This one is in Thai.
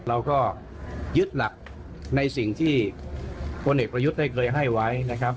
เราก็ยึดหลักในสิ่งที่พลเอกประยุทธ์ได้เคยให้ไว้นะครับ